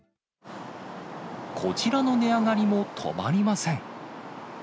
こちらの値上がりも止まりません。